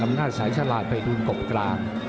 อำนาจสายฉลาดไปทูลกบกลาง